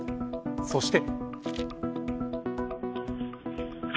そして。